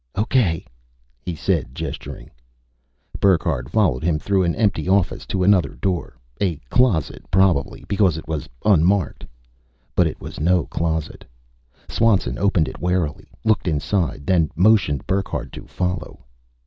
"Okay," he said, gesturing. Burckhardt followed him through an empty office, to another door a closet, probably, because it was unmarked. But it was no closet. Swanson opened it warily, looked inside, then motioned Burckhardt to follow.